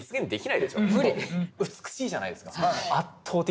美しいじゃないですか圧倒的に。